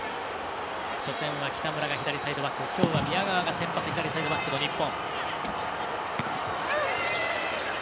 初戦は北村がサイドバックきょうは宮川が先発の左サイドバック日本。